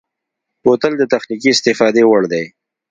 بوتل د تخنیکي استفادې وړ دی.